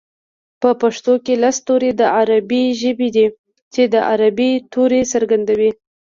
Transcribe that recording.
په پښتو کې لس توري د عربۍ ژبې دي چې د عربۍ توري څرګندوي